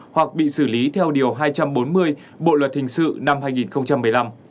hoặc bị xử lý theo điều hai trăm bốn mươi bộ luật hình sự năm hai nghìn một mươi năm